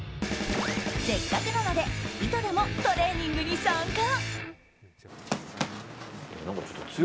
せっかくなので井戸田もトレーニングに参加。